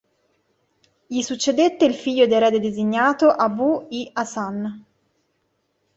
Gli succedette il figlio ed erede designato Abū l-Ḥasan.